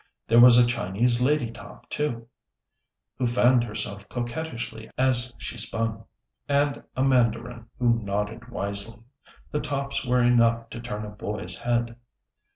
There was a Chinese lady top too, who fanned herself coquettishly as she spun; and a mandarin who nodded wisely. The tops were enough to turn a boy's head.